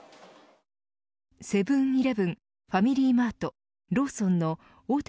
セブン‐イレブンファミリーマートローソンの大手